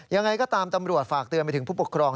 ยังไงก็ตามตำรวจฝากเตือนไปถึงผู้ปกครอง